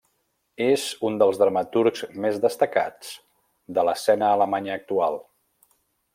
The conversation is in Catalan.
És un dels dramaturgs més destacats de l'escena alemanya actual.